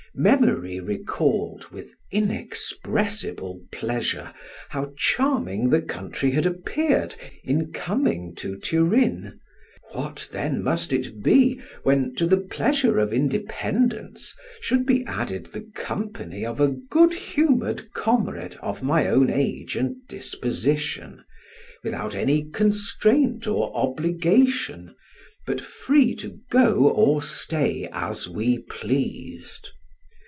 Memory recalled, with inexpressible pleasure, how charming the country had appeared in coming to Turin; what then must it be, when, to the pleasure of independence, should be added the company of a good humored comrade of my own age and disposition, without any constraint or obligation, but free to go or stay as we pleased?